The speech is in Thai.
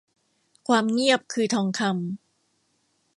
ความเงียบคือทองคำ